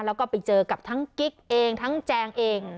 แล้วก็ไปเจอกับทั้งกิ๊กเองทั้งแจงเอง